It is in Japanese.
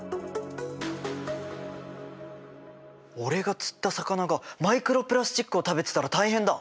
俺が釣った魚がマイクロプラスチックを食べてたら大変だ！